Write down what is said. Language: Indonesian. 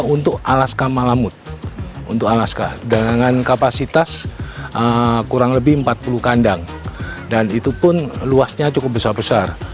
untuk alaska malamut untuk alaska dengan kapasitas kurang lebih empat puluh kandang dan itu pun luasnya cukup besar besar